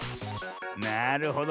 なるほど。